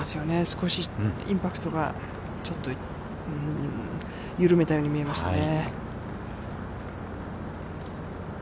少しインパクトがちょっとうーん、緩めたように見えましたね。